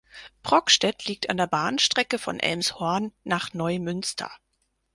Brokstedt liegt an der Bahnstrecke von Elmshorn nach Neumünster.